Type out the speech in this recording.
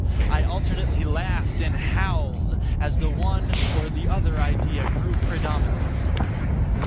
I alternately laughed and howled as the one or the other idea grew predominant.